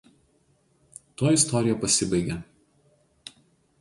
Tuo istorija pasibaigia.